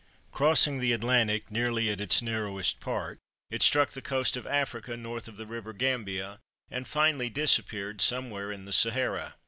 Crossing the Atlantic nearly at its narrowest part, it struck the coast of Africa N. of the river Gambia, and finally disappeared somewhere in the Sahara.